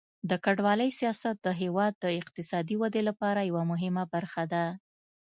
د کډوالۍ سیاست د هیواد د اقتصادي ودې لپاره یوه مهمه برخه ده.